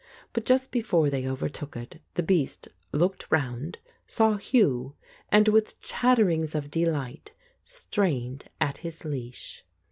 But just be fore they overtook it, the beast looked round, saw Hugh, and with chatterings of delight strained at his leash.